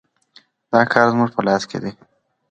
دا کار زموږ په لاس کې دی.